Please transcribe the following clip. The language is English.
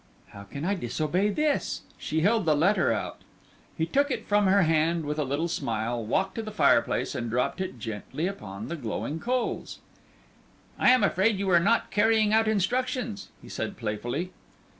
"How can I disobey this?" She held the letter out. He took it from her hand with a little smile, walked to the fireplace and dropped it gently upon the glowing coals. "I am afraid you are not carrying out instructions," he said, playfully.